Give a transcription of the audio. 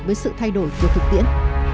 với sự thay đổi của thực tiễn